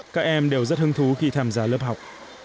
các em đều rất hứng thú khi tham gia lớp học